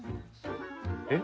えっ？